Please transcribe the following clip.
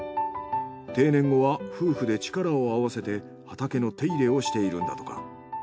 定年後は夫婦で力をあわせて畑の手入れをしているんだとか。